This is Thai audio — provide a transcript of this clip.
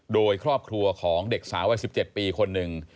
โดยครอบครัวของเด็กสาววัย๑๗ปีคนหนึ่ง